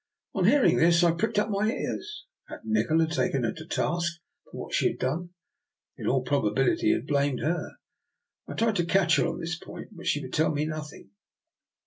On hearing this, I pricked up my ears. Had Nikola taken her to task for what she had done? In all probability he had blamed her. I tried to catch her on this point, but she would tell me nothing.